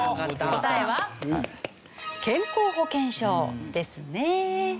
答えは健康保険証ですね。